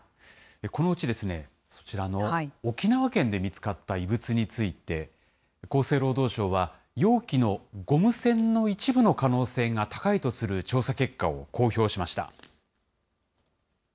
このうち、そちらの沖縄県で見つかった異物について、厚生労働省は容器のゴム栓の一部の可能性が高いとする調査結果を公表しました。